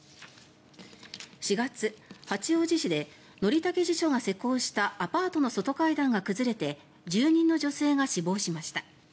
４月、八王子市で則武地所が施工したアパートの外階段が崩れて住人の女性が死亡しました。